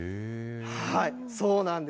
そうなんです。